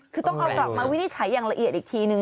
คือต้องเอากลับมาวินิจฉัยอย่างละเอียดอีกทีนึง